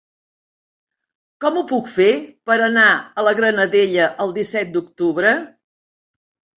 Com ho puc fer per anar a la Granadella el disset d'octubre?